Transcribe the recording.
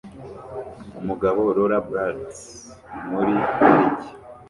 Umugabo Rollerblades muri parike